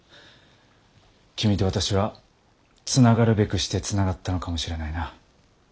君と私はつながるべくしてつながったのかもしれないな。